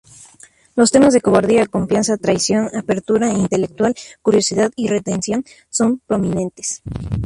Los temas de cobardía, confianza, traición, apertura intelectual, curiosidad y redención son prominentes.